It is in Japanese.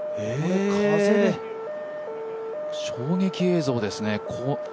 衝撃映像ですね。